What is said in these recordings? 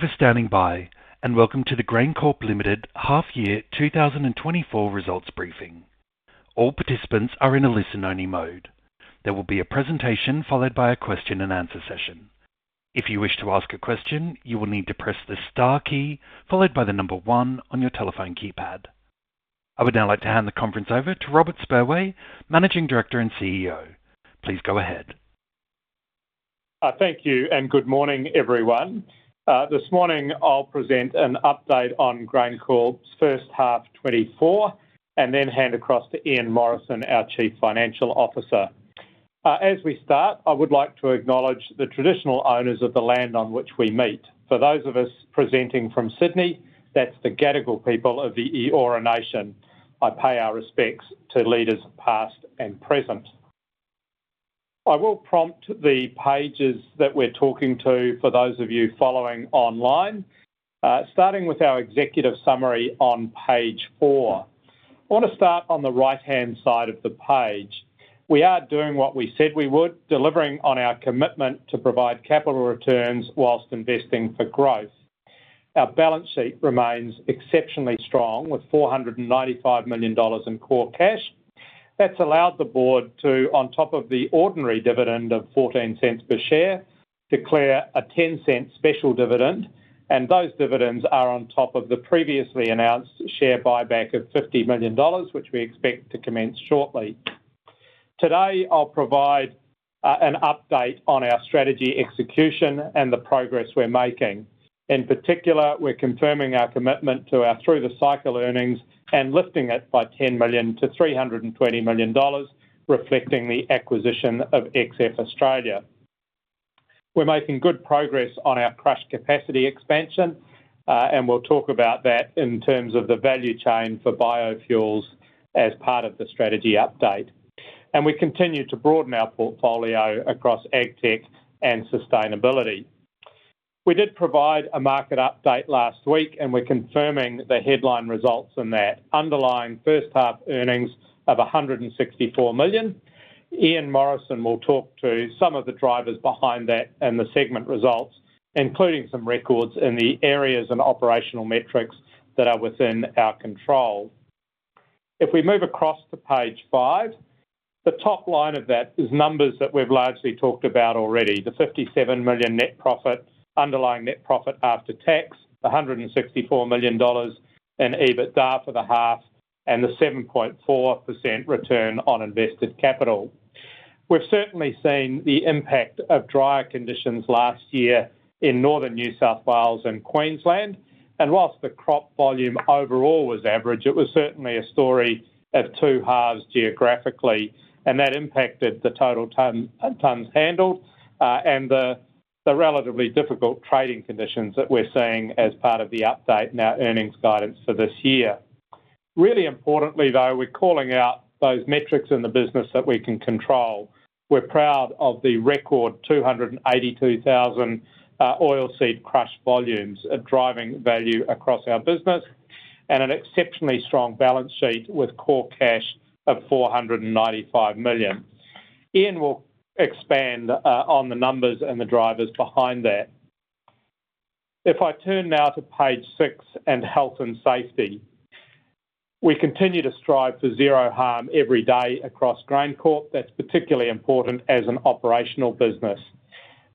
Thank you for standing by, and welcome to the GrainCorp Limited half-year 2024 results briefing. All participants are in a listen-only mode. There will be a presentation followed by a question-and-answer session. If you wish to ask a question, you will need to press the star key followed by 1 on your telephone keypad. I would now like to hand the conference over to Robert Spurway, Managing Director and CEO. Please go ahead. Thank you, and good morning, everyone. This morning I'll present an update on GrainCorp's first half 2024 and then hand across to Ian Morrison, our Chief Financial Officer. As we start, I would like to acknowledge the traditional owners of the land on which we meet. For those of us presenting from Sydney, that's the Gadigal people of the Eora Nation. I pay our respects to leaders past and present. I will prompt the pages that we're talking to for those of you following online, starting with our executive summary on page 4. I want to start on the right-hand side of the page. We are doing what we said we would, delivering on our commitment to provide capital returns while investing for growth. Our balance sheet remains exceptionally strong with 495 million dollars in core cash. That's allowed the board to, on top of the ordinary dividend of 0.14 per share, declare a 0.10 special dividend, and those dividends are on top of the previously announced share buyback of 50 million dollars, which we expect to commence shortly. Today I'll provide an update on our strategy execution and the progress we're making. In particular, we're confirming our commitment to our through-the-cycle earnings and lifting it by 10 million to 320 million dollars, reflecting the acquisition of XF Australia. We're making good progress on our crush capacity expansion, and we'll talk about that in terms of the value chain for biofuels as part of the strategy update. We continue to broaden our portfolio across agtech and sustainability. We did provide a market update last week, and we're confirming the headline results in that: underlying first-half earnings of 164 million. Ian Morrison will talk to some of the drivers behind that and the segment results, including some records in the areas and operational metrics that are within our control. If we move across to page 5, the top line of that is numbers that we've largely talked about already: the 57 million net profit, underlying net profit after tax, 164 million dollars in EBITDA for the half, and the 7.4% return on invested capital. We've certainly seen the impact of drier conditions last year in northern New South Wales and Queensland, and while the crop volume overall was average, it was certainly a story of two halves geographically, and that impacted the total tons handled and the relatively difficult trading conditions that we're seeing as part of the update in our earnings guidance for this year. Really importantly, though, we're calling out those metrics in the business that we can control. We're proud of the record 282,000 oilseed crush volumes at driving value across our business and an exceptionally strong balance sheet with core cash of 495 million. Ian will expand on the numbers and the drivers behind that. If I turn now to page 6 and health and safety, we continue to strive for zero harm every day across GrainCorp. That's particularly important as an operational business.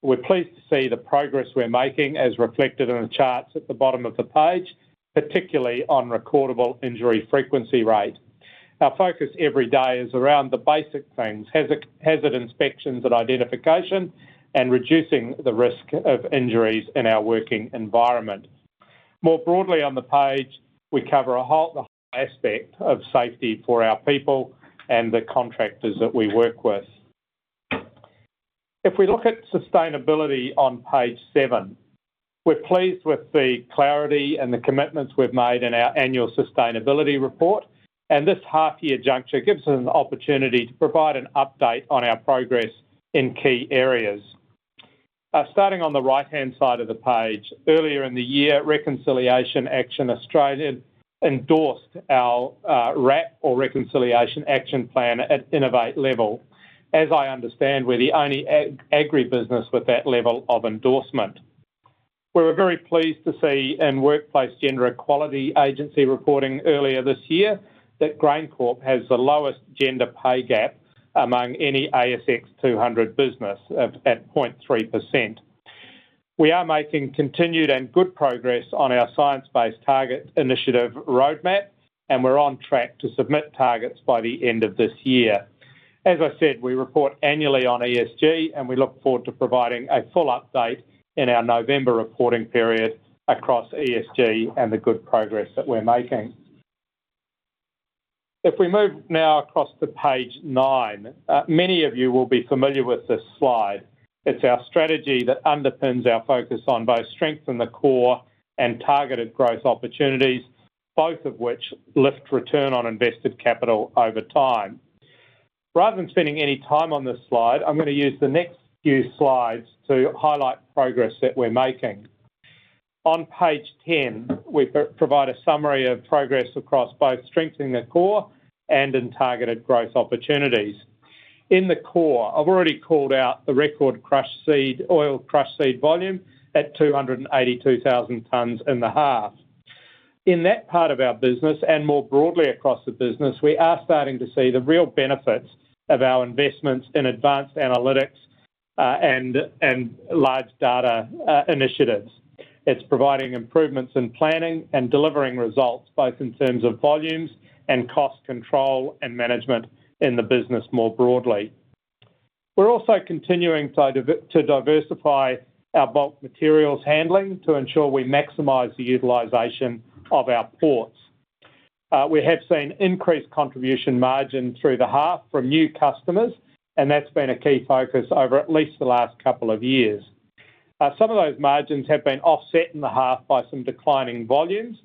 We're pleased to see the progress we're making as reflected in the charts at the bottom of the page, particularly on recordable injury frequency rate. Our focus every day is around the basic things: hazard inspections and identification, and reducing the risk of injuries in our working environment. More broadly on the page, we cover the whole aspect of safety for our people and the contractors that we work with. If we look at sustainability on page 7, we're pleased with the clarity and the commitments we've made in our annual sustainability report, and this half-year juncture gives us an opportunity to provide an update on our progress in key areas. Starting on the right-hand side of the page, earlier in the year, Reconciliation Australia endorsed our RAP, or Reconciliation Action Plan, at innovate level. As I understand, we're the only Agribusiness with that level of endorsement. We were very pleased to see in Workplace Gender Equality Agency reporting earlier this year that GrainCorp has the lowest gender pay gap among any ASX 200 business at 0.3%. We are making continued and good progress on our Science Based Target initiative roadmap, and we're on track to submit targets by the end of this year. As I said, we report annually on ESG, and we look forward to providing a full update in our November reporting period across ESG and the good progress that we're making. If we move now across to page 9, many of you will be familiar with this slide. It's our strategy that underpins our focus on both strengthening the core and targeted growth opportunities, both of which lift return on invested capital over time. Rather than spending any time on this slide, I'm going to use the next few slides to highlight progress that we're making. On page 10, we provide a summary of progress across both strengthening the core and in targeted growth opportunities. In the core, I've already called out the record oilseed crush volume at 282,000 tonnes in the half. In that part of our business and more broadly across the business, we are starting to see the real benefits of our investments in advanced analytics and large data initiatives. It's providing improvements in planning and delivering results both in terms of volumes and cost control and management in the business more broadly. We're also continuing to diversify our bulk materials handling to ensure we maximize the utilization of our ports. We have seen increased contribution margin through the half from new customers, and that's been a key focus over at least the last couple of years. Some of those margins have been offset in the half by some declining volumes,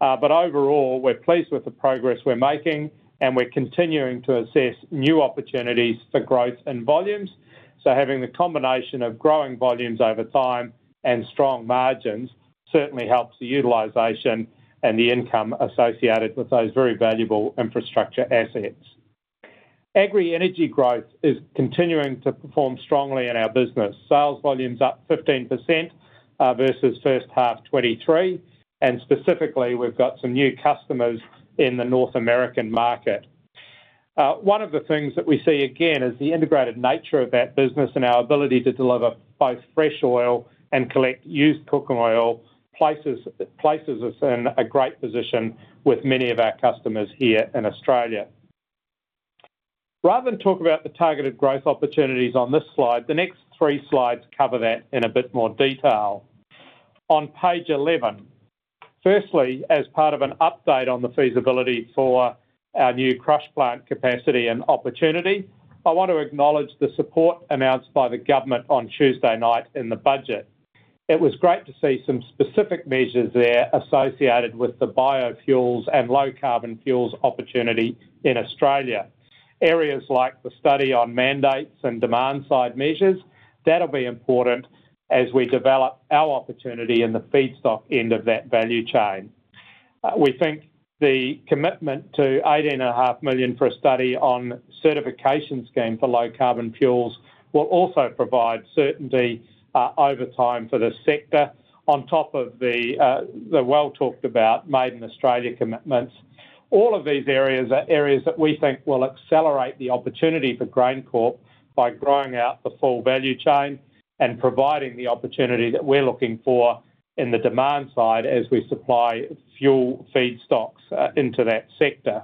but overall, we're pleased with the progress we're making, and we're continuing to assess new opportunities for growth in volumes. So having the combination of growing volumes over time and strong margins certainly helps the utilization and the income associated with those very valuable infrastructure assets. Agri-energy growth is continuing to perform strongly in our business. Sales volumes up 15% versus first-half 2023, and specifically, we've got some new customers in the North American market. One of the things that we see again is the integrated nature of that business and our ability to deliver both fresh oil and collect used cooking oil places us in a great position with many of our customers here in Australia. Rather than talk about the targeted growth opportunities on this slide, the next three slides cover that in a bit more detail. On page 11, firstly, as part of an update on the feasibility for our new crush plant capacity and opportunity, I want to acknowledge the support announced by the government on Tuesday night in the budget. It was great to see some specific measures there associated with the biofuels and low-carbon fuels opportunity in Australia. Areas like the study on mandates and demand-side measures, that'll be important as we develop our opportunity in the feedstock end of that value chain. We think the commitment to 18.5 million for a study on certification scheme for low-carbon fuels will also provide certainty over time for the sector, on top of the well-talked-about Made in Australia commitments. All of these areas are areas that we think will accelerate the opportunity for GrainCorp by growing out the full value chain and providing the opportunity that we're looking for in the demand side as we supply fuel feedstocks into that sector.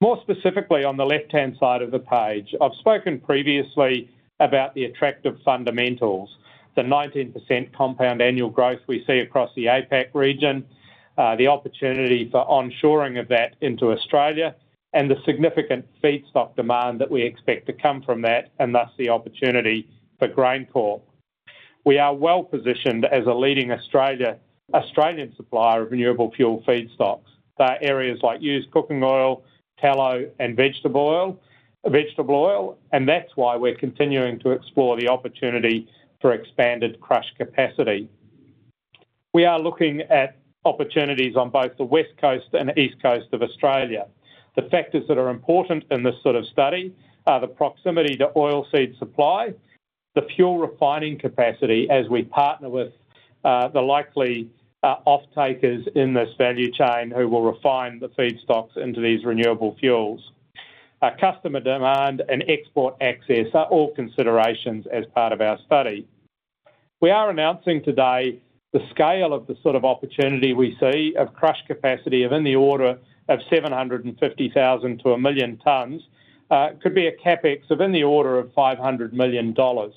More specifically, on the left-hand side of the page, I've spoken previously about the attractive fundamentals: the 19% compound annual growth we see across the APAC region, the opportunity for onshoring of that into Australia, and the significant feedstock demand that we expect to come from that, and thus the opportunity for GrainCorp. We are well-positioned as a leading Australian supplier of renewable fuel feedstocks. There are areas like used cooking oil, tallow, and vegetable oil, and that's why we're continuing to explore the opportunity for expanded crush capacity. We are looking at opportunities on both the West Coast and East Coast of Australia. The factors that are important in this sort of study are the proximity to oilseed supply, the fuel refining capacity as we partner with the likely off-takers in this value chain who will refine the feedstocks into these renewable fuels, customer demand, and export access are all considerations as part of our study. We are announcing today the scale of the sort of opportunity we see of crush capacity of in the order of 750,000-1,000,000 tons could be a CapEx of in the order of 500 million dollars.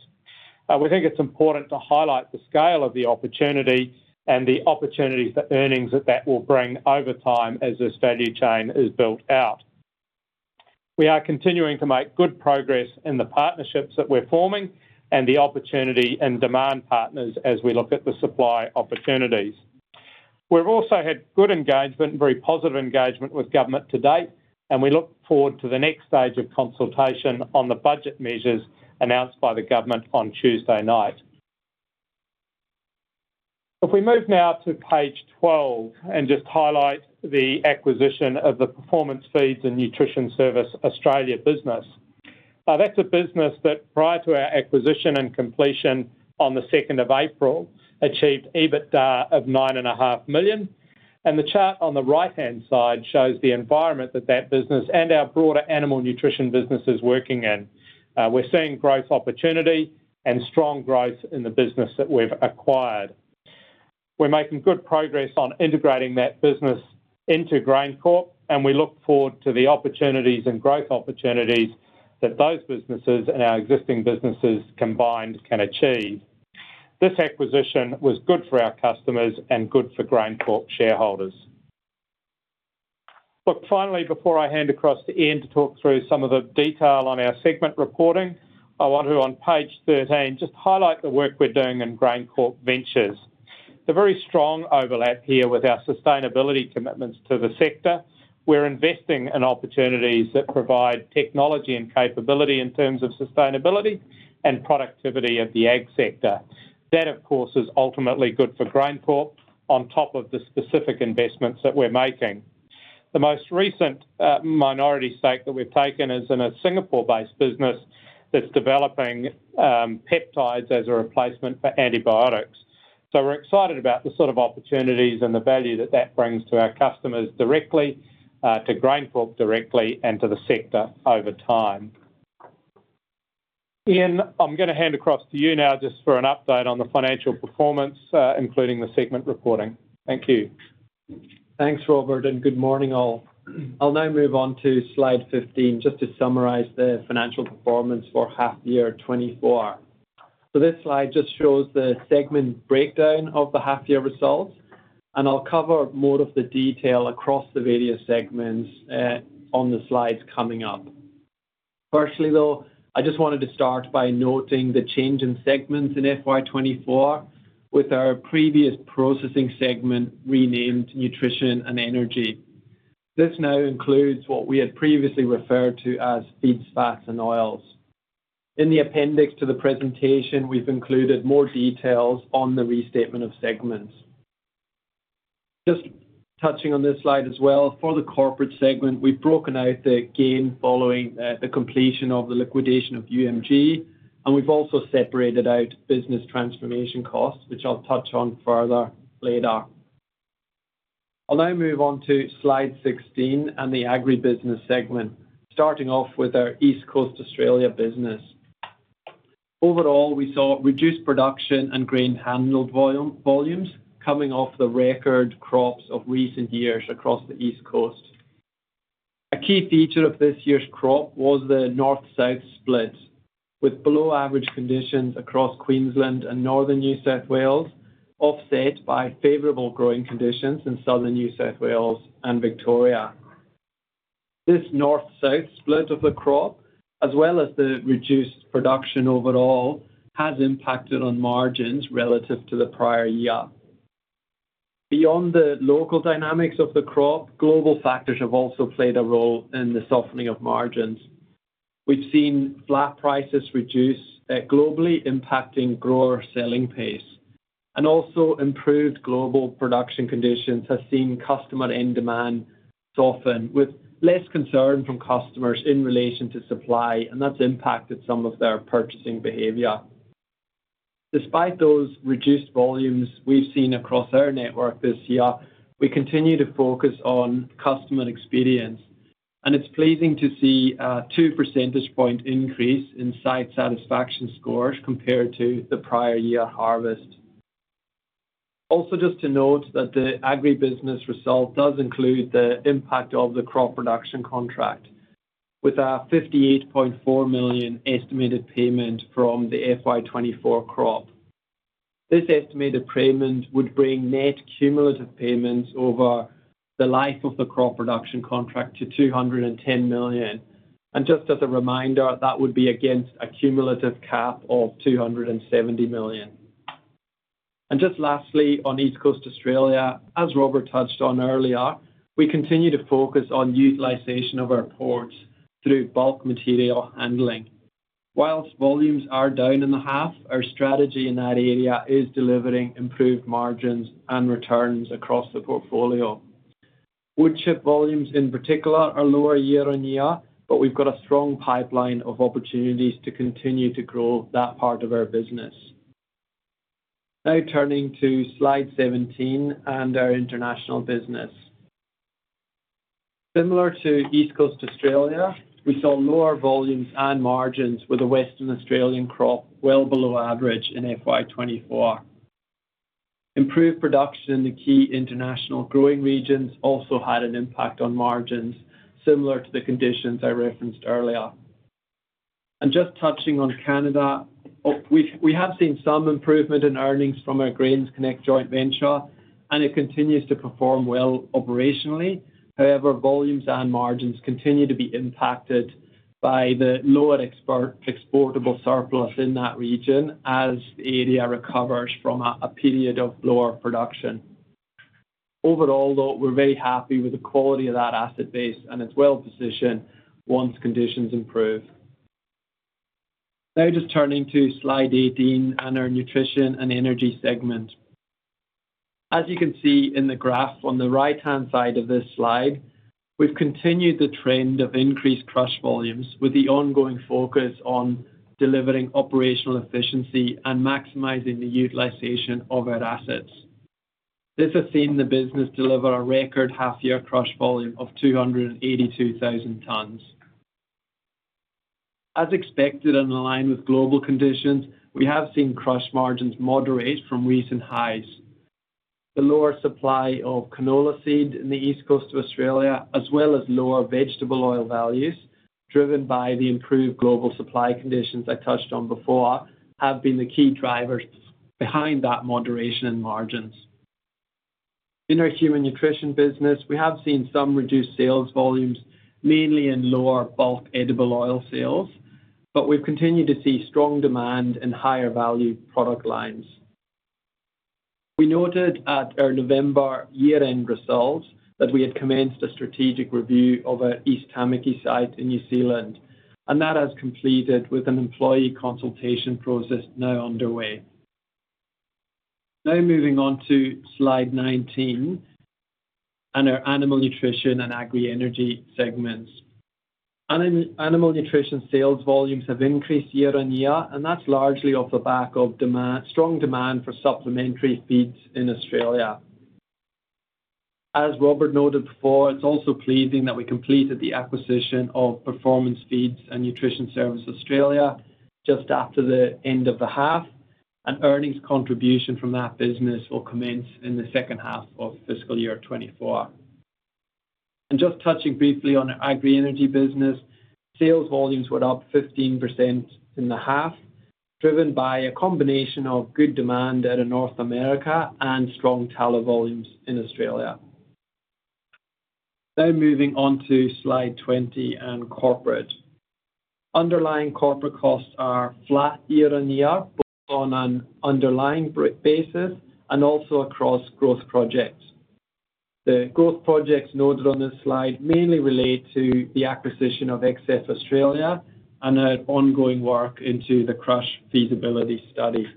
We think it's important to highlight the scale of the opportunity and the opportunities, the earnings that that will bring over time as this value chain is built out. We are continuing to make good progress in the partnerships that we're forming and the opportunity and demand partners as we look at the supply opportunities. We've also had good engagement, very positive engagement with government to date, and we look forward to the next stage of consultation on the budget measures announced by the government on Tuesday night. If we move now to page 12 and just highlight the acquisition of the Performance Feeds and Nutrition Service Australia business, that's a business that, prior to our acquisition and completion on the 2nd of April, achieved EBITDA of 9.5 million. The chart on the right-hand side shows the environment that that business and our broader animal nutrition business is working in. We're seeing growth opportunity and strong growth in the business that we've acquired. We're making good progress on integrating that business into GrainCorp, and we look forward to the opportunities and growth opportunities that those businesses and our existing businesses combined can achieve. This acquisition was good for our customers and good for GrainCorp shareholders. Look, finally, before I hand across to Ian to talk through some of the detail on our segment reporting, I want to, on page 13, just highlight the work we're doing in GrainCorp Ventures. There's a very strong overlap here with our sustainability commitments to the sector. We're investing in opportunities that provide technology and capability in terms of sustainability and productivity of the ag sector. That, of course, is ultimately good for GrainCorp on top of the specific investments that we're making. The most recent minority stake that we've taken is in a Singapore-based business that's developing peptides as a replacement for antibiotics. So we're excited about the sort of opportunities and the value that that brings to our customers directly, to GrainCorp directly, and to the sector over time. Ian, I'm going to hand across to you now just for an update on the financial performance, including the segment reporting. Thank you. Thanks, Robert, and good morning, all. I'll now move on to slide 15 just to summarize the financial performance for half-year 2024. So this slide just shows the segment breakdown of the half-year results, and I'll cover more of the detail across the various segments on the slides coming up. Firstly, though, I just wanted to start by noting the change in segments in FY 2024 with our previous processing segment renamed Nutrition and Energy. This now includes what we had previously referred to as feeds, fats, and oils. In the appendix to the presentation, we've included more details on the restatement of segments. Just touching on this slide as well, for the corporate segment, we've broken out the gain following the completion of the liquidation of UMG, and we've also separated out business transformation costs, which I'll touch on further later. I'll now move on to slide 16 and the Agribusiness segment, starting off with our East Coast Australia business. Overall, we saw reduced production and grain handled volumes coming off the record crops of recent years across the East Coast. A key feature of this year's crop was the north-south split with below-average conditions across Queensland and northern New South Wales, offset by favorable growing conditions in southern New South Wales and Victoria. This north-south split of the crop, as well as the reduced production overall, has impacted on margins relative to the prior year. Beyond the local dynamics of the crop, global factors have also played a role in the softening of margins. We've seen flat prices reduce globally, impacting grower selling pace. Improved global production conditions have seen customer end demand soften with less concern from customers in relation to supply, and that's impacted some of their purchasing behavior. Despite those reduced volumes we've seen across our network this year, we continue to focus on customer experience, and it's pleasing to see a two percentage point increase in site satisfaction scores compared to the prior year harvest. Also, just to note that the Agribusiness result does include the impact of the crop production contract with a 58.4 million estimated payment from the FY 2024 crop. This estimated payment would bring net cumulative payments over the life of the crop production contract to 210 million. Just as a reminder, that would be against a cumulative cap of 270 million. Just lastly, on East Coast Australia, as Robert touched on earlier, we continue to focus on utilization of our ports through bulk material handling. While volumes are down in the half, our strategy in that area is delivering improved margins and returns across the portfolio. Woodchip volumes, in particular, are lower year-on-year, but we've got a strong pipeline of opportunities to continue to grow that part of our business. Now turning to Slide 17 and our international business. Similar to East Coast Australia, we saw lower volumes and margins with a Western Australian crop well below average in FY 2024. Improved production in the key international growing regions also had an impact on margins, similar to the conditions I referenced earlier. Just touching on Canada, we have seen some improvement in earnings from our Grains Connect joint venture, and it continues to perform well operationally. However, volumes and margins continue to be impacted by the lower exportable surplus in that region as the area recovers from a period of lower production. Overall, though, we're very happy with the quality of that asset base, and it's well-positioned once conditions improve. Now just turning to slide 18 and our Nutrition and Energy segment. As you can see in the graph on the right-hand side of this slide, we've continued the trend of increased crush volumes with the ongoing focus on delivering operational efficiency and maximizing the utilization of our assets. This has seen the business deliver a record half-year crush volume of 282,000 tonnes. As expected and in line with global conditions, we have seen crush margins moderate from recent highs. The lower supply of canola seed in the East Coast of Australia, as well as lower vegetable oil values driven by the improved global supply conditions I touched on before, have been the key drivers behind that moderation in margins. In our human nutrition business, we have seen some reduced sales volumes, mainly in lower bulk edible oil sales, but we've continued to see strong demand in higher-value product lines. We noted at our November year-end results that we had commenced a strategic review of our East Tamaki site in New Zealand, and that has completed with an employee consultation process now underway. Now moving on to slide 19 and our animal nutrition and agri-energy segments. Animal nutrition sales volumes have increased year-on-year, and that's largely off the back of strong demand for supplementary feeds in Australia. As Robert noted before, it's also pleasing that we completed the acquisition of Performance Feeds and Nutrition Service Australia just after the end of the half, and earnings contribution from that business will commence in the second half of fiscal year 2024. Just touching briefly on our agri-energy business, sales volumes were up 15% in the half, driven by a combination of good demand out of North America and strong tallow volumes in Australia. Now moving on to slide 20 and corporate. Underlying corporate costs are flat year-on-year, both on an underlying basis and also across growth projects. The growth projects noted on this slide mainly relate to the acquisition of XF Australia and our ongoing work into the crush feasibility study.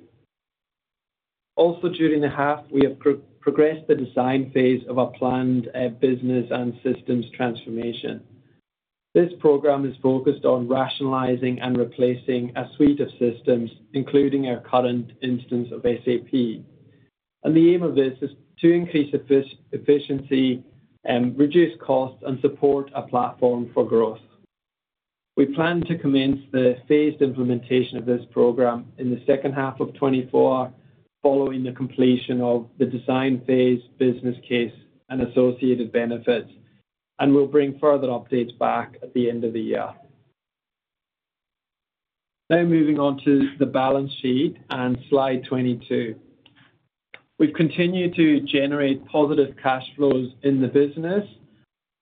Also, during the half, we have progressed the design phase of our planned business and systems transformation. This program is focused on rationalizing and replacing a suite of systems, including our current instance of SAP. The aim of this is to increase efficiency, reduce costs, and support a platform for growth. We plan to commence the phased implementation of this program in the second half of 2024 following the completion of the design phase, business case, and associated benefits, and we'll bring further updates back at the end of the year. Now moving on to the balance sheet and slide 22. We've continued to generate positive cash flows in the business,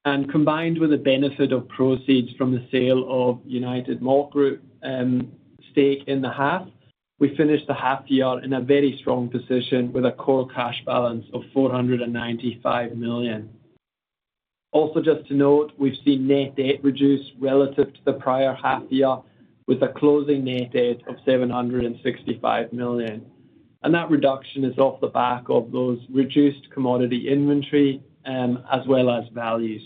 and combined with the benefit of proceeds from the sale of United Malt Group stake in the half, we finished the half year in a very strong position with a core cash balance of 495 million. Also, just to note, we've seen net debt reduce relative to the prior half year with a closing net debt of 765 million. And that reduction is off the back of those reduced commodity inventory as well as values.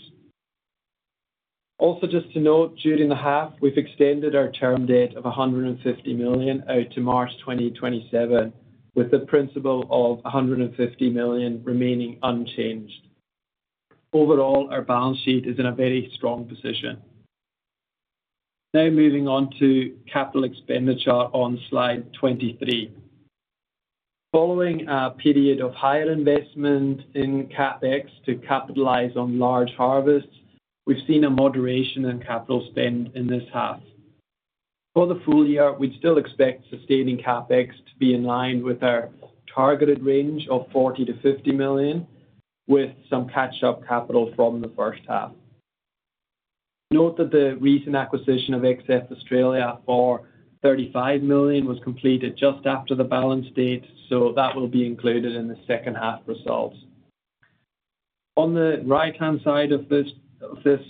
Also, just to note, during the half, we've extended our term debt of 150 million out to March 2027, with the principal of 150 million remaining unchanged. Overall, our balance sheet is in a very strong position. Now moving on to capital expenditure on slide 23. Following a period of higher investment in CapEx to capitalize on large harvests, we've seen a moderation in capital spend in this half. For the full year, we'd still expect sustaining CapEx to be in line with our targeted range of 40 million-50 million, with some catch-up capital from the first half. Note that the recent acquisition of XF Australia for 35 million was completed just after the balance date, so that will be included in the second half results. On the right-hand side of this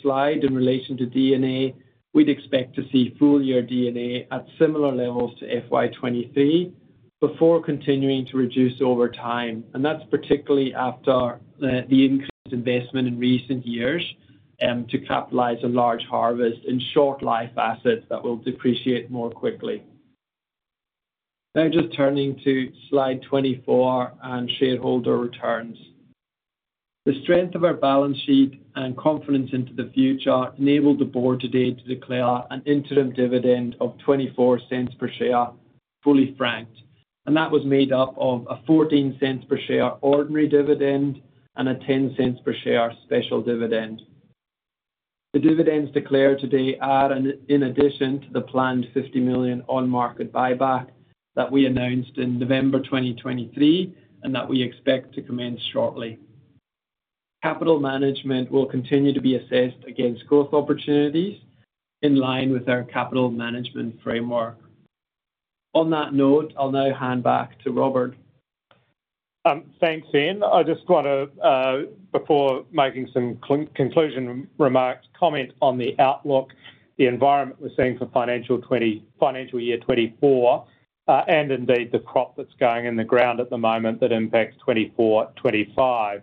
slide in relation to D&A, we'd expect to see full-year D&A at similar levels to FY 2023 before continuing to reduce over time. That's particularly after the increased investment in recent years to capitalize a large harvest in short-life assets that will depreciate more quickly. Now just turning to slide 24 and shareholder returns. The strength of our balance sheet and confidence into the future enabled the board today to declare an interim dividend of 0.24 per share, fully franked. That was made up of a 0.14 per share ordinary dividend and a 0.10 per share special dividend. The dividends declared today are, in addition to the planned 50 million on-market buyback that we announced in November 2023 and that we expect to commence shortly. Capital management will continue to be assessed against growth opportunities in line with our capital management framework. On that note, I'll now hand back to Robert . Thanks, Ian. I just want to, before making some conclusion remarks, comment on the outlook, the environment we're seeing for financial year 2024, and indeed the crop that's going in the ground at the moment that impacts 2024, 2025.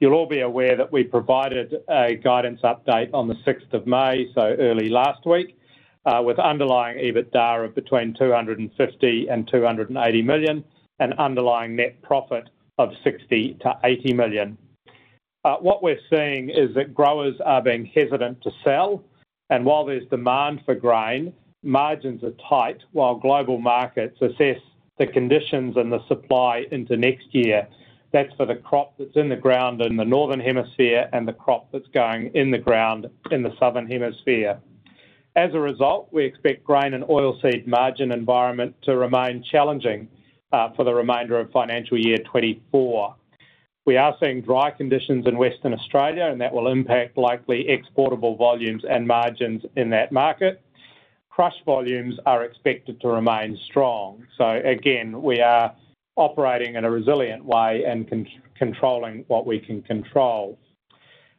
You'll all be aware that we provided a guidance update on the 6th of May, so early last week, with underlying EBITDA of between 250 million and 280 million and underlying net profit of 60 million-80 million. What we're seeing is that growers are being hesitant to sell. And while there's demand for grain, margins are tight while global markets assess the conditions and the supply into next year. That's for the crop that's in the ground in the northern hemisphere and the crop that's going in the ground in the southern hemisphere. As a result, we expect grain and oilseed margin environment to remain challenging for the remainder of financial year 2024. We are seeing dry conditions in Western Australia, and that will impact likely exportable volumes and margins in that market. Crush volumes are expected to remain strong. So again, we are operating in a resilient way and controlling what we can control.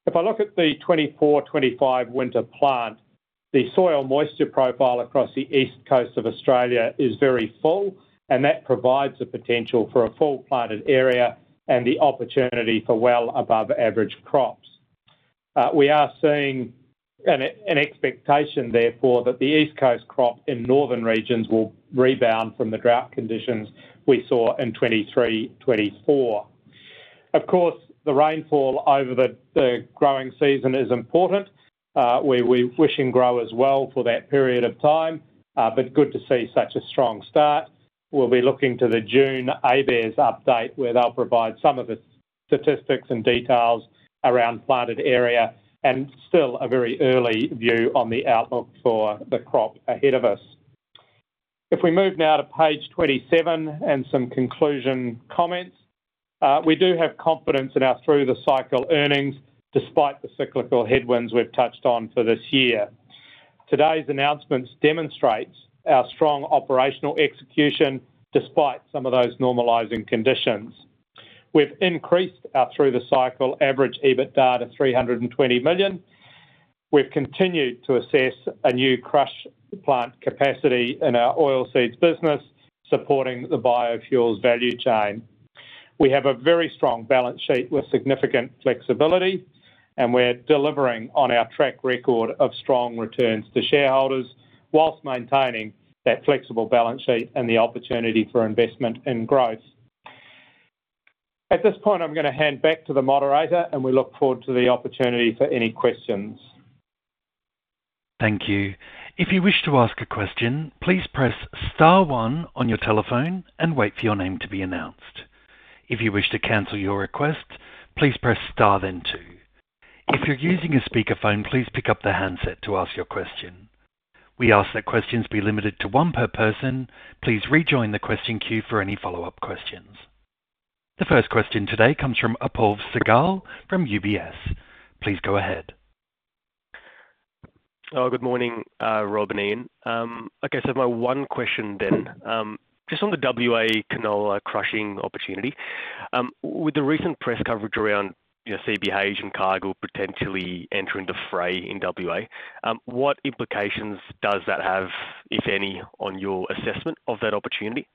If I look at the 2024, 2025 winter plant, the soil moisture profile across the East Coast of Australia is very full, and that provides the potential for a full-planted area and the opportunity for well above average crops. We are seeing an expectation, therefore, that the East Coast crop in northern regions will rebound from the drought conditions we saw in 2023, 2024. Of course, the rainfall over the growing season is important. We're wishing growers well for that period of time, but good to see such a strong start. We'll be looking to the June ABARES update where they'll provide some of the statistics and details around planted area and still a very early view on the outlook for the crop ahead of us. If we move now to page 27 and some conclusion comments, we do have confidence in our through-the-cycle earnings despite the cyclical headwinds we've touched on for this year. Today's announcements demonstrate our strong operational execution despite some of those normalizing conditions. We've increased our through-the-cycle average EBITDA to 320 million. We've continued to assess a new crush plant capacity in our oil seeds business, supporting the biofuels value chain. We have a very strong balance sheet with significant flexibility, and we're delivering on our track record of strong returns to shareholders while maintaining that flexible balance sheet and the opportunity for investment and growth. At this point, I'm going to hand back to the moderator, and we look forward to the opportunity for any questions. Thank you. If you wish to ask a question, please press star one on your telephone and wait for your name to be announced. If you wish to cancel your request, please press star then two. If you're using a speakerphone, please pick up the handset to ask your question. We ask that questions be limited to one per person. Please rejoin the question queue for any follow-up questions. The first question today comes from Apurv Seh gal from UBS. Please go ahead. Good morning, Rob and Ian. Okay, so I have my one question then. Just on the WA canola crushing opportunity, with the recent press coverage around CBH and Cargill potentially entering the fray in WA, what implications does that have, if any, on your assessment of that opportunity?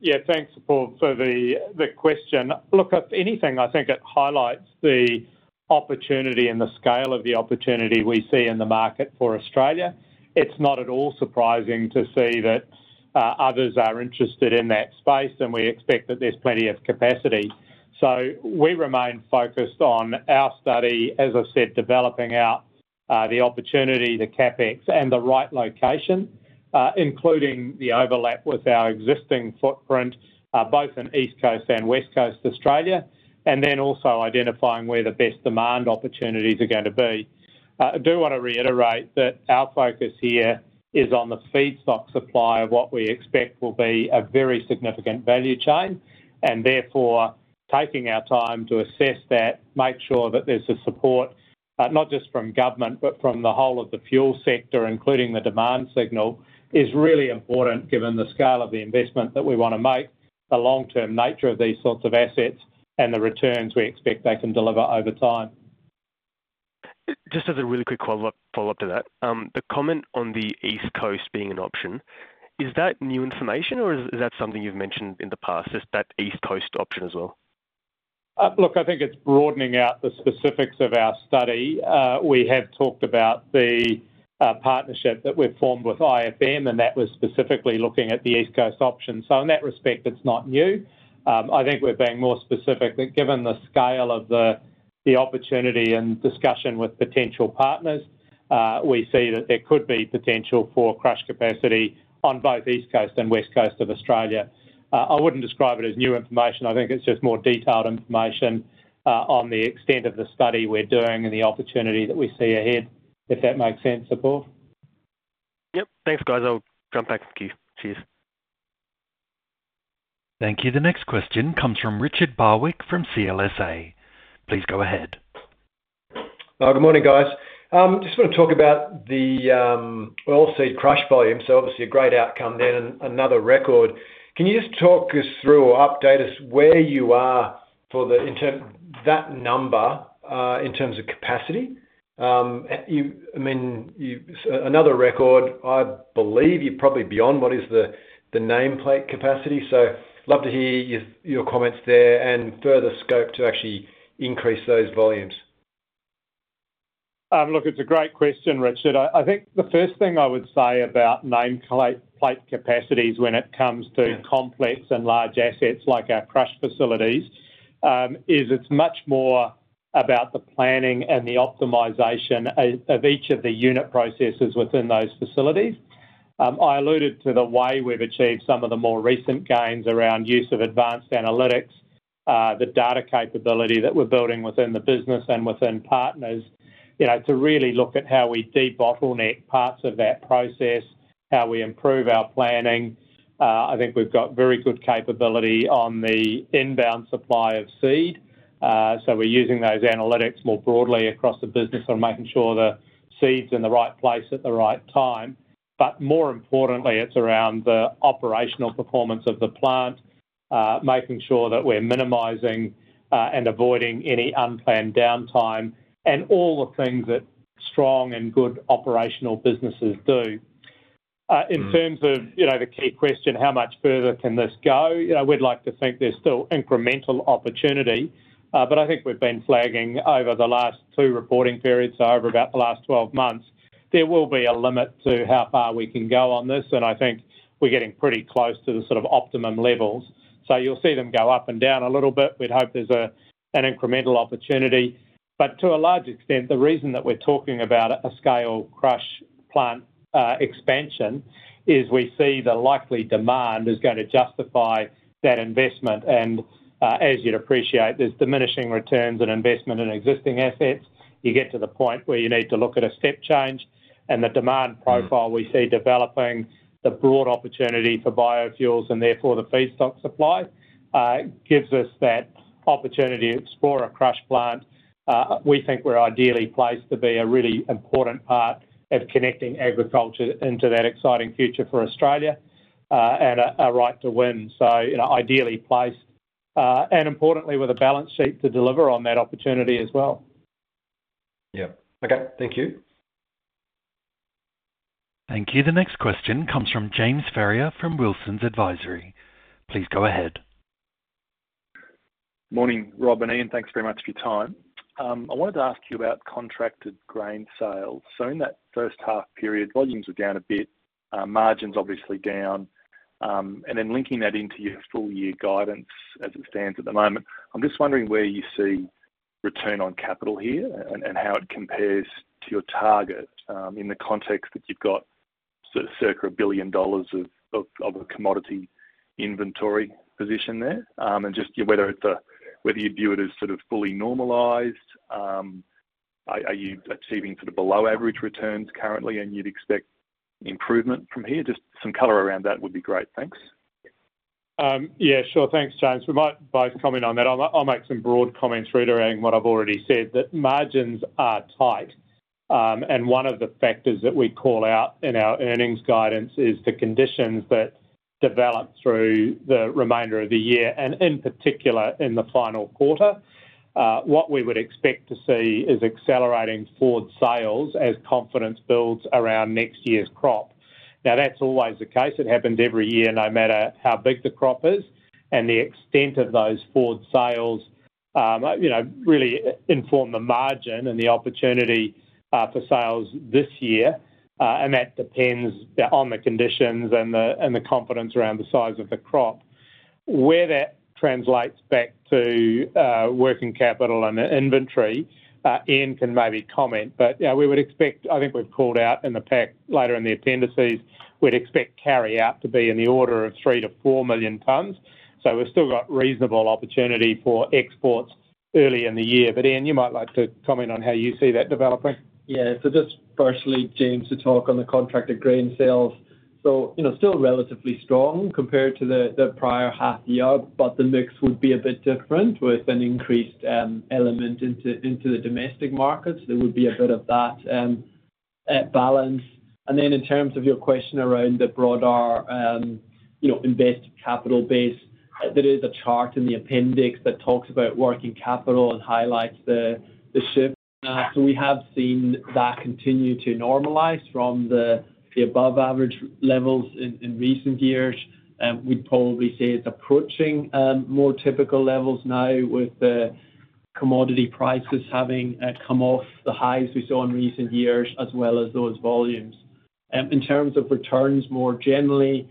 Yeah, thanks, Apurv, for the question. Look, if anything, I think it highlights the opportunity and the scale of the opportunity we see in the market for Australia. It's not at all surprising to see that others are interested in that space, and we expect that there's plenty of capacity. So we remain focused on our study, as I've said, developing out the opportunity, the CapEx, and the right location, including the overlap with our existing footprint, both in East Coast and West Coast Australia, and then also identifying where the best demand opportunities are going to be. I do want to reiterate that our focus here is on the feedstock supply of what we expect will be a very significant value chain. And therefore, taking our time to assess that, make sure that there's the support not just from government, but from the whole of the fuel sector, including the demand signal, is really important given the scale of the investment that we want to make, the long-term nature of these sorts of assets, and the returns we expect they can deliver over time. Just as a really quick follow-up to that, the comment on the East Coast being an option, is that new information, or is that something you've mentioned in the past, just that East Coast option as well? Look, I think it's broadening out the specifics of our study. We have talked about the partnership that we've formed with IFM, and that was specifically looking at the East Coast option. So in that respect, it's not new. I think we're being more specific that given the scale of the opportunity and discussion with potential partners, we see that there could be potential for crush capacity on both East Coast and West Coast of Australia. I wouldn't describe it as new information. I think it's just more detailed information on the extent of the study we're doing and the opportunity that we see ahead, if that makes sense, Apurv. Yep, thanks, guys. I'll jump back to Keith. Cheers. Thank you. The next question comes from Richard Barwick from CLSA. Please go ahead. Good morning, guys. Just want to talk about the oilseed crush volume. So obviously, a great outcome there, another record. Can you just talk us through or update us where you are for that number in terms of capacity? I mean, another record, I believe you're probably beyond what is the nameplate capacity. So love to hear your comments there and further scope to actually increase those volumes. Look, it's a great question, Richard. I think the first thing I would say about nameplate capacities when it comes to complex and large assets like our crush facilities is it's much more about the planning and the optimization of each of the unit processes within those facilities. I alluded to the way we've achieved some of the more recent gains around use of advanced analytics, the data capability that we're building within the business and within partners to really look at how we debottleneck parts of that process, how we improve our planning. I think we've got very good capability on the inbound supply of seed. So we're using those analytics more broadly across the business on making sure the seed's in the right place at the right time. But more importantly, it's around the operational performance of the plant, making sure that we're minimizing and avoiding any unplanned downtime and all the things that strong and good operational businesses do. In terms of the key question, how much further can this go, we'd like to think there's still incremental opportunity. But I think we've been flagging over the last two reporting periods, so over about the last 12 months, there will be a limit to how far we can go on this. And I think we're getting pretty close to the sort of optimum levels. So you'll see them go up and down a little bit. We'd hope there's an incremental opportunity. But to a large extent, the reason that we're talking about a scale crush plant expansion is we see the likely demand is going to justify that investment. And as you'd appreciate, there's diminishing returns and investment in existing assets. You get to the point where you need to look at a step change. And the demand profile we see developing, the broad opportunity for biofuels and therefore the feedstock supply, gives us that opportunity to explore a crush plant. We think we're ideally placed to be a really important part of connecting agriculture into that exciting future for Australia and a right to win. So ideally placed and importantly with a balance sheet to deliver on that opportunity as well. Yep. Okay, thank you. Thank you. The next question comes from James Ferrier from Wilsons Advisory. Please go ahead. Morning, Rob and Ian. Thanks very much for your time. I wanted to ask you about contracted grain sales. So in that first half period, volumes were down a bit, margins obviously down, and then linking that into your full-year guidance as it stands at the moment, I'm just wondering where you see return on capital here and how it compares to your target in the context that you've got sort of circa 1 billion dollars of a commodity inventory position there. And just whether you'd view it as sort of fully normalized, are you achieving sort of below average returns currently, and you'd expect improvement from here? Just some color around that would be great. Thanks. Yeah, sure. Thanks, James. We might both comment on that. I'll make some broad comments reiterating what I've already said, that margins are tight. And one of the factors that we call out in our earnings guidance is the conditions that develop through the remainder of the year. And in particular, in the final quarter, what we would expect to see is accelerating forward sales as confidence builds around next year's crop. Now, that's always the case. It happens every year no matter how big the crop is. And the extent of those forward sales really inform the margin and the opportunity for sales this year. That depends on the conditions and the confidence around the size of the crop. Where that translates back to working capital and inventory, Ian can maybe comment. But we would expect I think we've called out in the pack later in the appendices, we'd expect carryout to be in the order of 3-4 million tonnes. We've still got reasonable opportunity for exports early in the year. But Ian, you might like to comment on how you see that developing. Yeah, so just firstly, James, to talk on the contracted grain sales. Still relatively strong compared to the prior half year, but the mix would be a bit different with an increased element into the domestic markets. There would be a bit of that balance. In terms of your question around the broader invested capital base, there is a chart in the appendix that talks about working capital and highlights the shift. We have seen that continue to normalize from the above average levels in recent years. We'd probably say it's approaching more typical levels now with the commodity prices having come off the highs we saw in recent years as well as those volumes. In terms of returns more generally,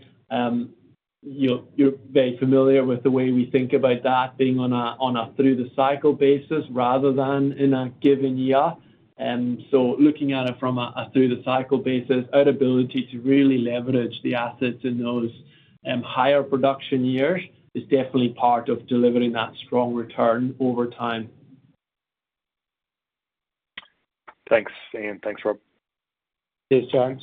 you're very familiar with the way we think about that, being on a through-the-cycle basis rather than in a given year. Looking at it from a through-the-cycle basis, our ability to really leverage the assets in those higher production years is definitely part of delivering that strong return over time. Thanks, Ian. Thanks, Rob. Cheers, James.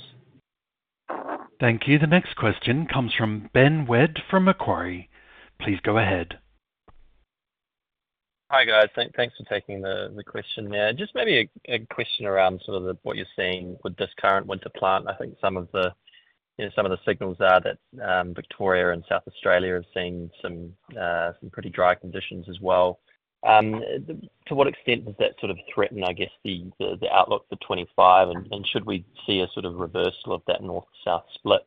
Thank you. The next question comes from ` Wedd from Macquarie. Please go ahead. Hi, guys. Thanks for taking the question there. Just maybe a question around sort of what you're seeing with this current winter plant. I think some of the signals are that Victoria and South Australia have seen some pretty dry conditions as well. To what extent does that sort of threaten, I guess, the outlook for 2025? And should we see a sort of reversal of that north-south split?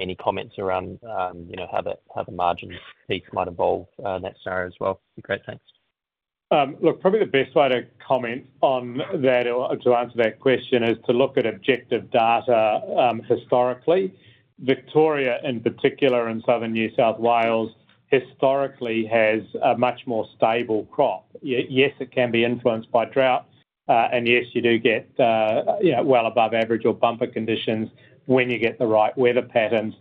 Any comments around how the margin piece might evolve in that area as well would be great. Thanks. Look, probably the best way to comment on that or to answer that question is to look at objective data historically. Victoria in particular and southern New South Wales historically has a much more stable crop. Yes, it can be influenced by drought. And yes, you do get well above average or bumper conditions when you get the right weather patterns.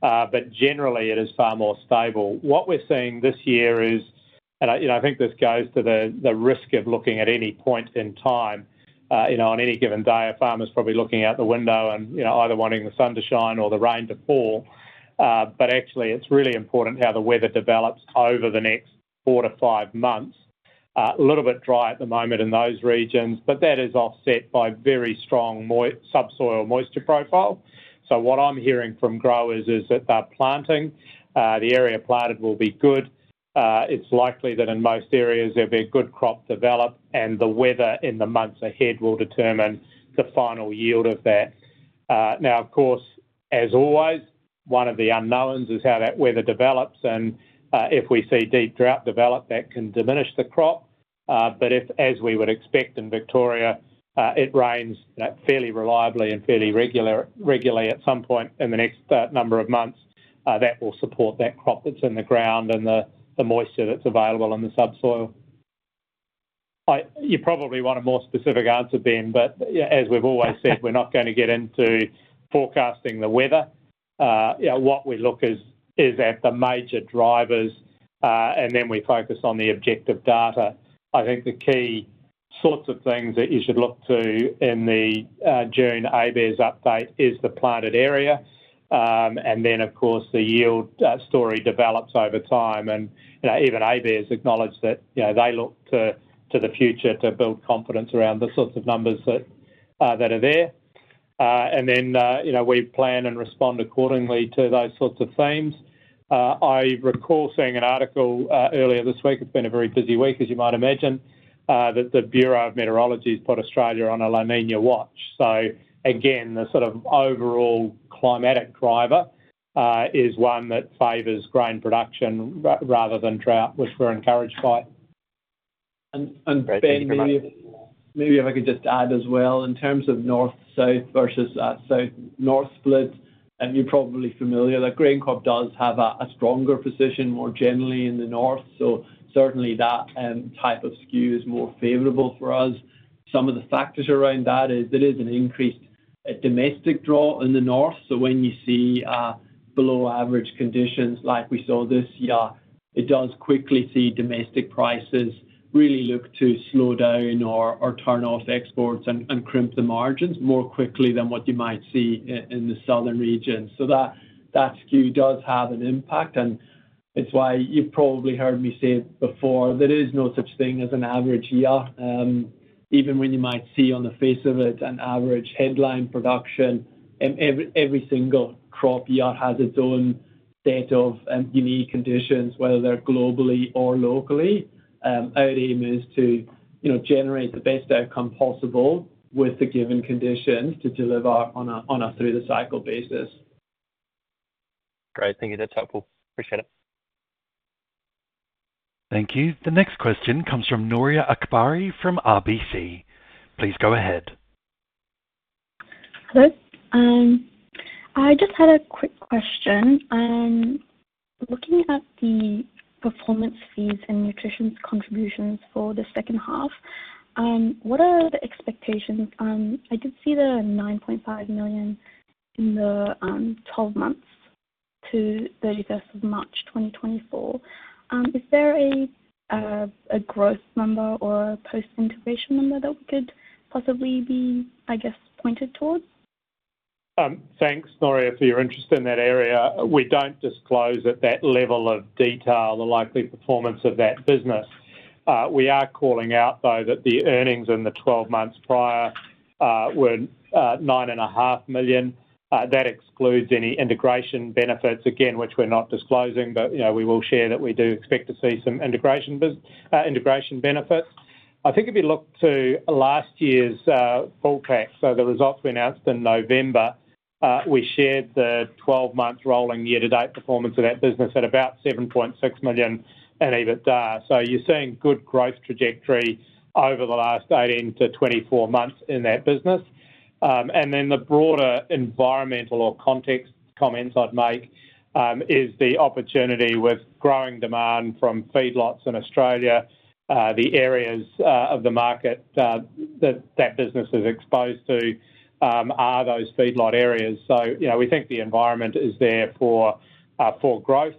But generally, it is far more stable. What we're seeing this year is, and I think this goes to the risk of looking at any point in time. On any given day, a farmer's probably looking out the window and either wanting the sun to shine or the rain to fall. But actually, it's really important how the weather develops over the next 4-5 months. A little bit dry at the moment in those regions, but that is offset by very strong subsoil moisture profile. So what I'm hearing from growers is that they're planting. The area planted will be good. It's likely that in most areas, there'll be a good crop develop. And the weather in the months ahead will determine the final yield of that. Now, of course, as always, one of the unknowns is how that weather develops. If we see deep drought develop, that can diminish the crop. But as we would expect in Victoria, it rains fairly reliably and fairly regularly at some point in the next number of months. That will support that crop that's in the ground and the moisture that's available in the subsoil. You probably want a more specific answer, Ben, but as we've always said, we're not going to get into forecasting the weather. What we look at is the major drivers, and then we focus on the objective data. I think the key sorts of things that you should look to in the June ABARES update is the planted area. And then, of course, the yield story develops over time. And even ABARES acknowledged that they look to the future to build confidence around the sorts of numbers that are there. Then we plan and respond accordingly to those sorts of themes. I recall seeing an article earlier this week. It's been a very busy week, as you might imagine, that the Bureau of Meteorology's put Australia on a La Niña watch. So again, the sort of overall climatic driver is one that favors grain production rather than drought, which we're encouraged by. And Ben, maybe if I could just add as well, in terms of north-south versus north-split, you're probably familiar. GrainCorp does have a stronger position more generally in the north. So certainly, that type of skew is more favorable for us. Some of the factors around that is there is an increased domestic draw in the north. So when you see below average conditions like we saw this year, it does quickly see domestic prices really look to slow down or turn off exports and crimp the margins more quickly than what you might see in the southern regions. So that skew does have an impact. And it's why you've probably heard me say it before, there is no such thing as an average year. Even when you might see on the face of it an average headline production, every single crop year has its own set of unique conditions, whether they're globally or locally. Our aim is to generate the best outcome possible with the given conditions to deliver on a through-the-cycle basis. Great. Thank you. That's helpful. Appreciate it. Thank you. The next question comes from Nour Akbari from RBC. Please go ahead. Hello. I just had a quick question. Looking at the performance fees and Nutrition Service contributions for the second half, what are the expectations? I did see there are 9.5 million in the 12 months to 31st of March 2024. Is there a growth number or a post-integration number that we could possibly be, I guess, pointed towards? Thanks, Nour, for your interest in that area. We don't disclose at that level of detail the likely performance of that business. We are calling out, though, that the earnings in the 12 months prior were 9.5 million. That excludes any integration benefits, again, which we're not disclosing. But we will share that we do expect to see some integration benefits. I think if you look to last year's full pack, so the results we announced in November, we shared the 12-month rolling year-to-date performance of that business at about 7.6 million in EBITDA. So you're seeing good growth trajectory over the last 18-24 months in that business. The broader environmental or context comments I'd make is the opportunity with growing demand from feedlots in Australia. The areas of the market that that business is exposed to are those feedlot areas. So we think the environment is there for growth.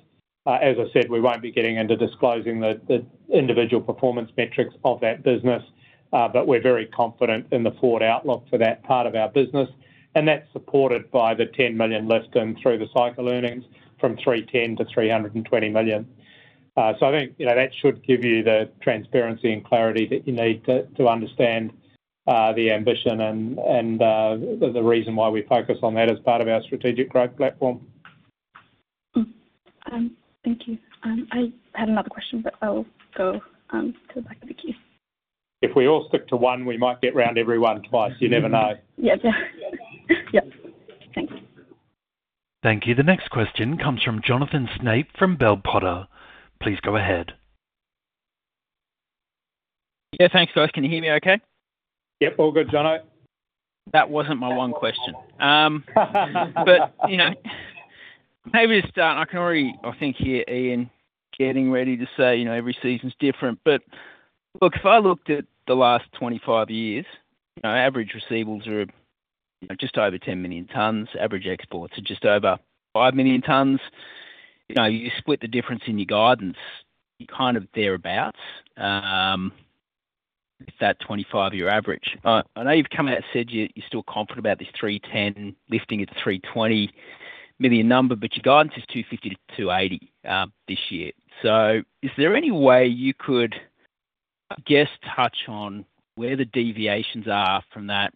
As I said, we won't be getting into disclosing the individual performance metrics of that business. But we're very confident in the forward outlook for that part of our business. And that's supported by the 10 million lift-in through-the-cycle earnings from 310 million-320 million. So I think that should give you the transparency and clarity that you need to understand the ambition and the reason why we focus on that as part of our strategic growth platform. Thank you. I had another question, but I'll go to the back of the queue. If we all stick to one, we might get round everyone twice. You never know. Yep. Yep. Thanks. Thank you. The next question comes from Jonathan Snape from Bell Potter. Please go ahead. Yeah, thanks, guys. Can you hear me okay? Yep. All good, Jono. That wasn't my one question. But maybe to start, I can already, I think, hear Ian getting ready to say every season's different. But look, if I looked at the last 25 years, average receivables are just over 10 million tonnes. Average exports are just over 5 million tonnes. You split the difference in your guidance. You're kind of thereabouts with that 25-year average. I know you've come out and said you're still confident about this 310 million lifting it to 320 million number, but your guidance is 250 million-280 million this year. So is there any way you could just touch on where the deviations are from that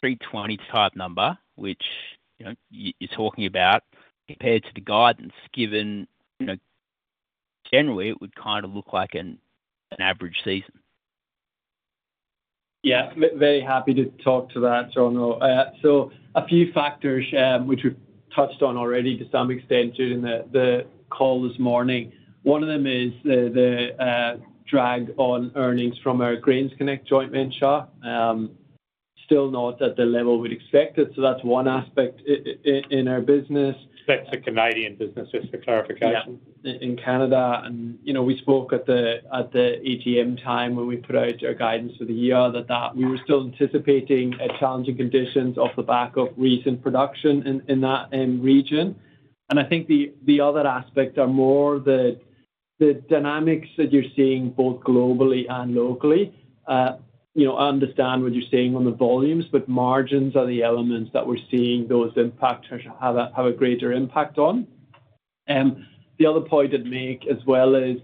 320 type number, which you're talking about, compared to the guidance given generally; it would kind of look like an average season? Yeah. Very happy to talk to that, Jono. So a few factors, which we've touched on already to some extent during the call this morning. One of them is the drag on earnings from our GrainsConnect joint venture. Still not at the level we'd expected. So that's one aspect in our business. That's a Canadian business, just for clarification. Yeah. In Canada. And we spoke at the AGM time when we put out our guidance for the year that we were still anticipating challenging conditions off the back of recent production in that region. And I think the other aspect are more the dynamics that you're seeing both globally and locally. I understand what you're saying on the volumes, but margins are the elements that we're seeing those impactors have a greater impact on. The other point I'd make as well is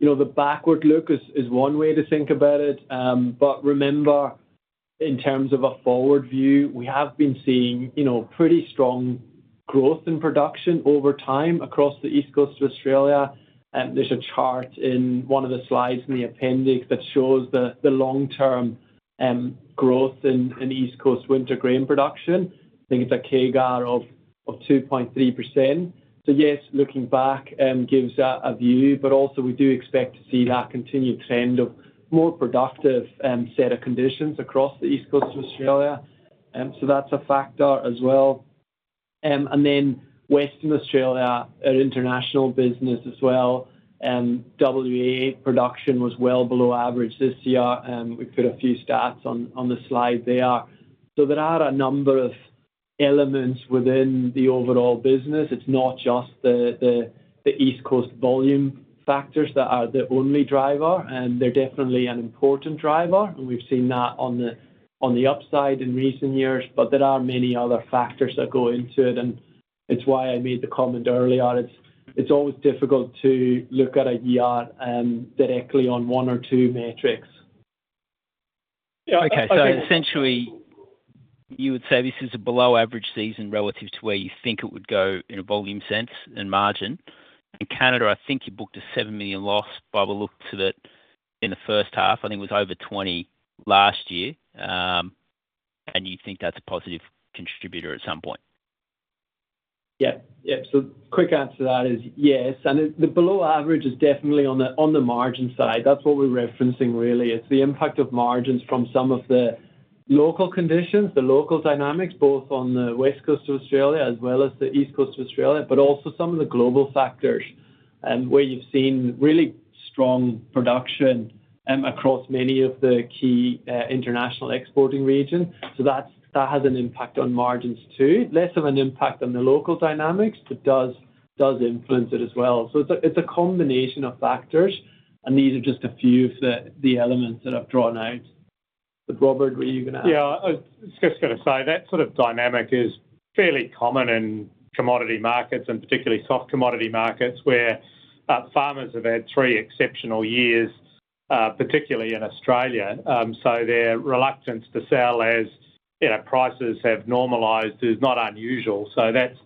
the backward look is one way to think about it. But remember, in terms of a forward view, we have been seeing pretty strong growth in production over time across the east coast of Australia. There's a chart in one of the slides in the appendix that shows the long-term growth in east coast winter grain production. I think it's a CAGR of 2.3%. So yes, looking back gives a view. But also, we do expect to see that continued trend of more productive set of conditions across the east coast of Australia. So that's a factor as well. And then Western Australia, our international business as well, WA production was well below average this year. We put a few stats on the slide there. So there are a number of elements within the overall business. It's not just the east coast volume factors that are the only driver. They're definitely an important driver. And we've seen that on the upside in recent years. But there are many other factors that go into it. And it's why I made the comment earlier. It's always difficult to look at a year directly on one or two metrics. Yeah. Okay. So essentially, you would say this is a below-average season relative to where you think it would go in a volume sense and margin. And Canada, I think you booked a 7 million loss by the looks of it in the first half. I think it was over 20 million last year. And you think that's a positive contributor at some point. Yep. Yep. Quick answer to that is yes. The below average is definitely on the margin side. That's what we're referencing, really. It's the impact of margins from some of the local conditions, the local dynamics, both on the west coast of Australia as well as the east coast of Australia, but also some of the global factors where you've seen really strong production across many of the key international exporting regions. That has an impact on margins too, less of an impact on the local dynamics, but does influence it as well. It's a combination of factors. These are just a few of the elements that I've drawn out. Robert, were you going to ask? Yeah. I was just going to say that sort of dynamic is fairly common in commodity markets and particularly soft commodity markets where farmers have had three exceptional years, particularly in Australia. Their reluctance to sell as prices have normalized is not unusual. That's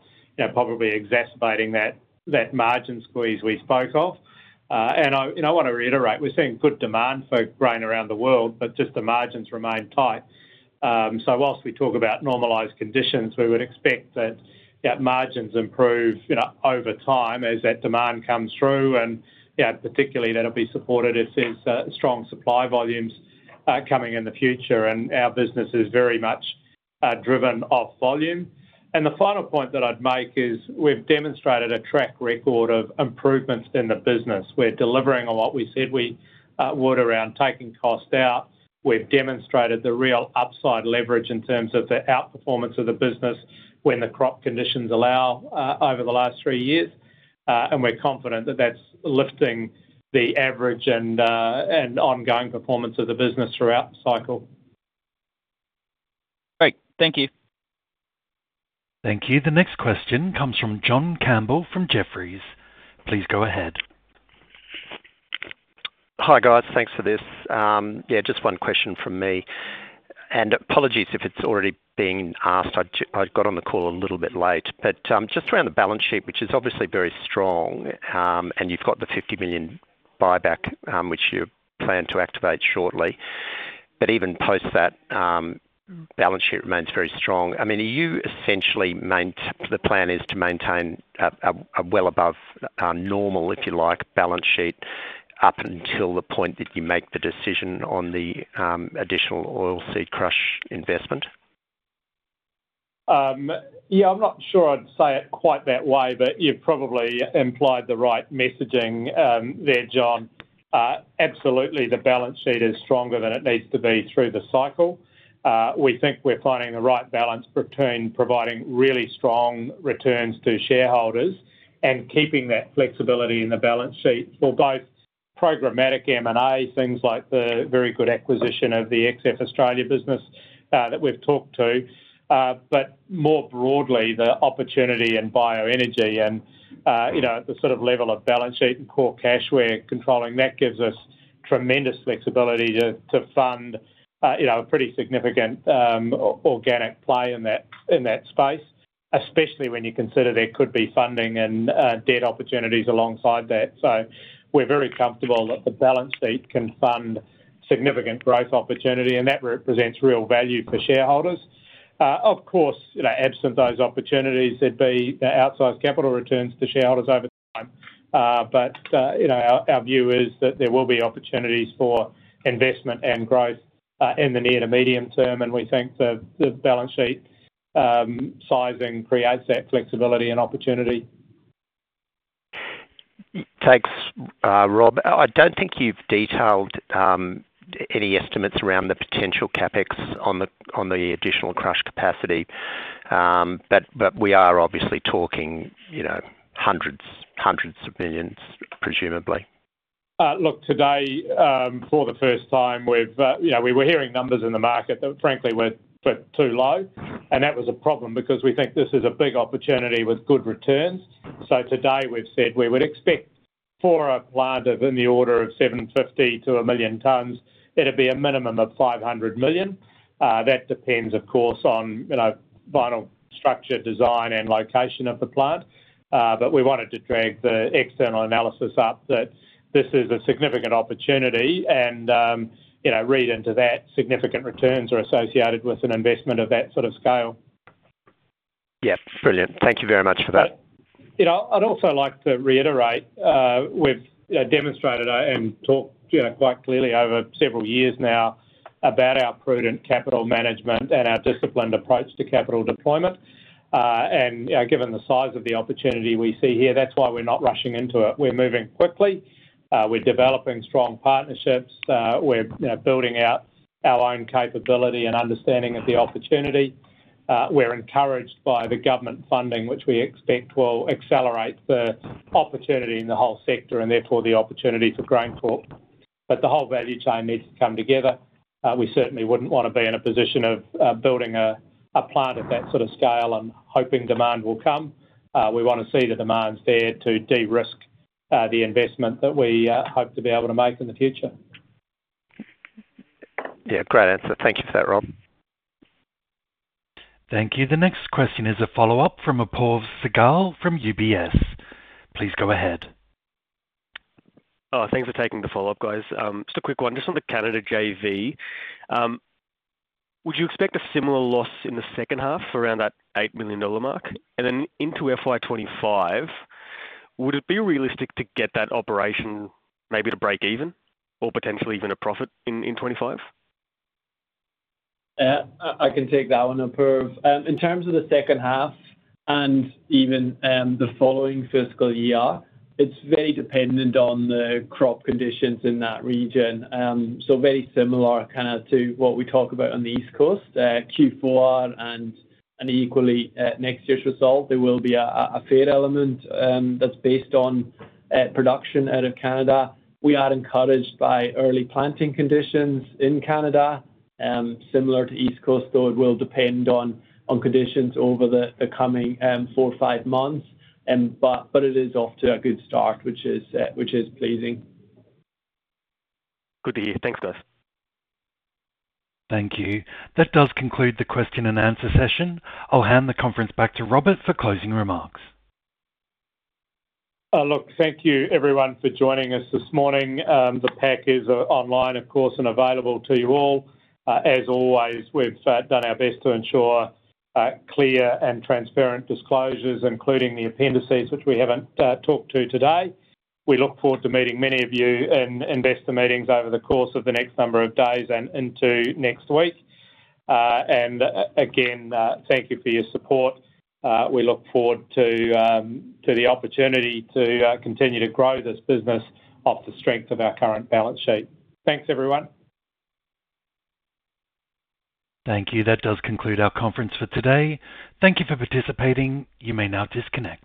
probably exacerbating that margin squeeze we spoke of. I want to reiterate, we're seeing good demand for grain around the world, but just the margins remain tight. Whilst we talk about normalized conditions, we would expect that margins improve over time as that demand comes through. Particularly, that'll be supported if there's strong supply volumes coming in the future. Our business is very much driven off volume. The final point that I'd make is we've demonstrated a track record of improvements in the business. We're delivering on what we said we would around taking cost out. We've demonstrated the real upside leverage in terms of the outperformance of the business when the crop conditions allow over the last three years. We're confident that that's lifting the average and ongoing performance of the business throughout the cycle. Great. Thank you. Thank you. The next question comes from John Campbell from Jefferies. Please go ahead. Hi, guys. Thanks for this. Yeah. Just one question from me. Apologies if it's already being asked. I got on the call a little bit late. Just around the balance sheet, which is obviously very strong, and you've got the 50 million buyback which you plan to activate shortly. Even post that, balance sheet remains very strong. I mean, are you essentially the plan is to maintain a well above normal, if you like, balance sheet up until the point that you make the decision on the additional oilseed crush investment? Yeah. I'm not sure I'd say it quite that way. But you've probably implied the right messaging there, John. Absolutely, the balance sheet is stronger than it needs to be through the cycle. We think we're finding the right balance between providing really strong returns to shareholders and keeping that flexibility in the balance sheet for both programmatic M&A, things like the very good acquisition of the XF Australia business that we've talked to, but more broadly, the opportunity in bioenergy and the sort of level of balance sheet and core cash we're controlling. That gives us tremendous flexibility to fund a pretty significant organic play in that space, especially when you consider there could be funding and debt opportunities alongside that. So we're very comfortable that the balance sheet can fund significant growth opportunity. And that represents real value for shareholders. Of course, absent those opportunities, there'd be outsized capital returns to shareholders over time. But our view is that there will be opportunities for investment and growth in the near to medium term. And we think the balance sheet sizing creates that flexibility and opportunity. Rob, I don't think you've detailed any estimates around the potential CapEx on the additional crush capacity. But we are obviously talking AUD hundreds of millions, presumably. Look, today, for the first time, we were hearing numbers in the market that, frankly, were too low. That was a problem because we think this is a big opportunity with good returns. So today, we've said we would expect for a plant in the order of 750-1,000,000 tonnes, it'd be a minimum of 500 million. That depends, of course, on final structure, design, and location of the plant. But we wanted to flag the external analysis up that this is a significant opportunity and read into that significant returns are associated with an investment of that sort of scale. Yep. Brilliant. Thank you very much for that. I'd also like to reiterate, we've demonstrated and talked quite clearly over several years now about our prudent capital management and our disciplined approach to capital deployment. Given the size of the opportunity we see here, that's why we're not rushing into it. We're moving quickly. We're developing strong partnerships. We're building out our own capability and understanding of the opportunity. We're encouraged by the government funding, which we expect will accelerate the opportunity in the whole sector and therefore the opportunity for GrainCorp. But the whole value chain needs to come together. We certainly wouldn't want to be in a position of building a plant at that sort of scale and hoping demand will come. We want to see the demands there to de-risk the investment that we hope to be able to make in the future. Yeah. Great answer. Thank you for that, Rob. Thank you. The next question is a follow-up from Apurv Sehgal from UBS. Please go ahead. Thanks for taking the follow-up, guys. Just a quick one. Just on the Canada JV, would you expect a similar loss in the second half around that 8 million dollar mark? And then into FY25, would it be realistic to get that operation maybe to break even or potentially even a profit in 2025? I can take that one, Apurv. In terms of the second half and even the following fiscal year, it's very dependent on the crop conditions in that region. So very similar kind of to what we talk about on the east coast, Q4 and equally next year's result. There will be a fair element that's based on production out of Canada. We are encouraged by early planting conditions in Canada. Similar to east coast, though, it will depend on conditions over the coming four, five months. But it is off to a good start, which is pleasing. Good to hear. Thanks, guys. Thank you. That does conclude the question and answer session. I'll hand the conference back to Robert for closing remarks. Look, thank you, everyone, for joining us this morning. The PAC is online, of course, and available to you all. As always, we've done our best to ensure clear and transparent disclosures, including the appendices, which we haven't talked to today. We look forward to meeting many of you in investor meetings over the course of the next number of days and into next week. And again, thank you for your support. We look forward to the opportunity to continue to grow this business off the strength of our current balance sheet. Thanks, everyone. Thank you. That does conclude our conference for today. Thank you for participating. You may now disconnect.